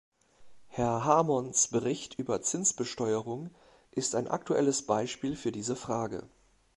Herr Hamons Bericht über Zinsbesteuerung ist ein aktuelles Beispiel für diese Frage.